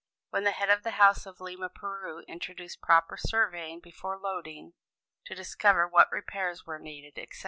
When the head of the house at Lima, Peru, introduced proper surveying before loading, to discover what repairs were needed, etc.